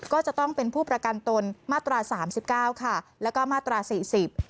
ก็จะต้องเป็นผู้ประกันตนมาตราสามสิบเก้าค่ะแล้วก็มาตราสี่สิบ